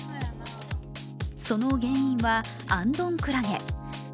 その原因は、アンドンクラゲ。